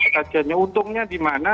kajiannya untungnya dimana